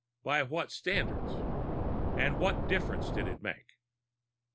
By what standards? And what difference did it make?